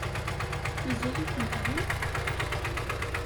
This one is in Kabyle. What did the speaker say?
Mazal-ikent din?